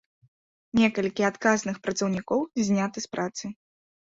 Некалькі адказных працаўнікоў зняты з працы.